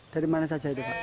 dari mana saja itu pak